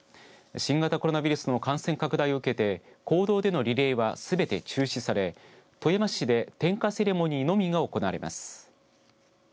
新型コロナウイルスの感染拡大を受けて公道でのリレーはすべて中止され富山市で点火セレモニーのみが行われます。